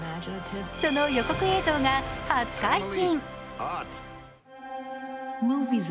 その予告映像が初解禁。